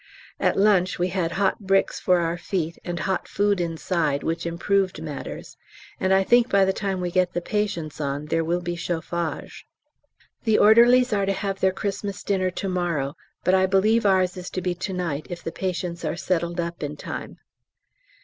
At lunch we had hot bricks for our feet, and hot food inside, which improved matters, and I think by the time we get the patients on there will be chauffage. The orderlies are to have their Xmas dinner to morrow, but I believe ours is to be to night, if the patients are settled up in time.